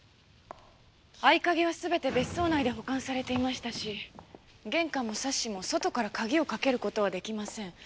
合鍵は全て別荘内で保管されていましたし玄関もサッシも外から鍵をかける事はできません。